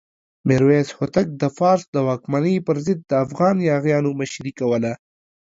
میرویس هوتک د فارس د واکمنۍ پر ضد د افغان یاغیانو مشري کوله.